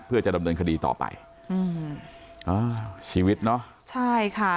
เพื่อจะดำเนินคดีต่อไปอืมอ่าชีวิตเนอะใช่ค่ะ